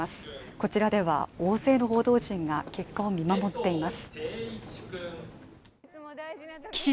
こちらでは多くの報道陣が結果を見守っています